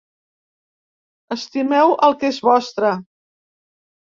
Estimeu el que és vostre.